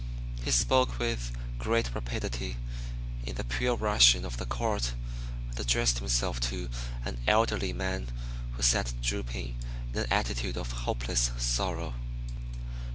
He spoke with great rapidity, in the pure Russian of the Court, and addressed himself to an elderly man who sat drooping in an attitude of hopeless sorrow.